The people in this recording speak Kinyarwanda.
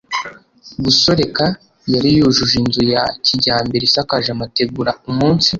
gusoreka yari yujuje inzu ya kijyambere isakaje amategura umunsi